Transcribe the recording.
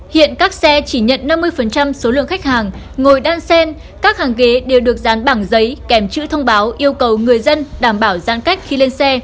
hiện các xe chỉ nhận năm mươi số lượng khách hàng ngồi đan sen các hàng ghế đều được dán bảng giấy kèm chữ thông báo yêu cầu người dân đảm bảo giãn cách khi lên xe